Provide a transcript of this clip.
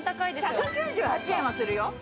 １９８円はするよ。